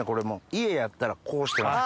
家やったらこうしてます。